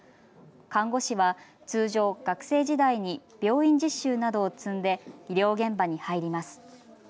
看護師は通常、学生時代に病院実習などを積んで医療現場に入ります。